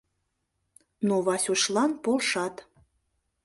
Но Васюшлан полшат.